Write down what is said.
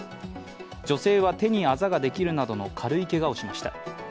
女性は手にあざができるなどの軽いけがをしました。